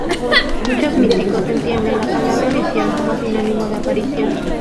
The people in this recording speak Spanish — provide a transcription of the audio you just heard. Muchos místicos entienden la palabra visión como sinónimo de aparición.